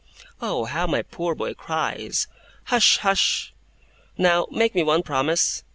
'Oh, how my poor boy cries! Hush, hush! Now, make me one promise.